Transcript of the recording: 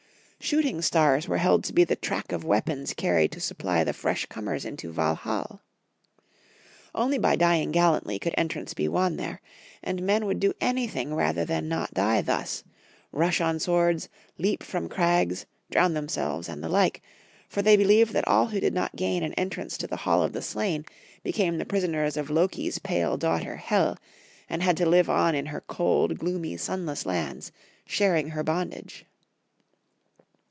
Shooting stars were held to be the track of weapons carried to supply the fresh *Fa/ meant a brave death in battle. 21 22 Young Folk^ SRstory of Germany. comers into Valhall. Only by dying gallantly could entrance be won there ; and men would do anything rather than not die thus, rush on swords, leap from crags, drown themselves, and the like, for they believed that all who did not gain an en trance to the Hall of the Slain became the prison ers of Loki's pale daughter Hel, and had to live on in her cold, gloomy, sunless lands, sharing her bondage.